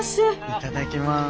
いただきます。